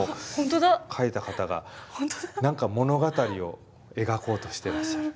描いた方が何か物語を描こうとしてらっしゃる。